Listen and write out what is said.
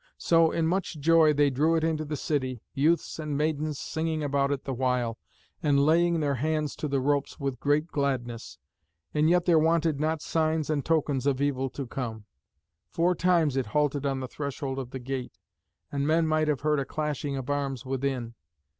So, in much joy, they drew it into the city, youths and maidens singing about it the while, and laying their hands to the ropes with great gladness. And yet there wanted not signs and tokens of evil to come. Four times it halted on the threshold of the gate, and men might have heard a clashing of arms within.